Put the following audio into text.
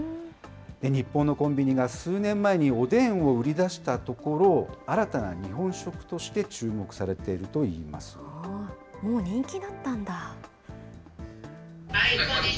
日本のコンビニが数年前におでんを売り出したところ、新たな日本食として注目されているといいまもう人気だったんだ。